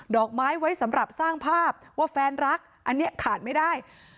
อกไม้ไว้สำหรับสร้างภาพว่าแฟนรักอันนี้ขาดไม่ได้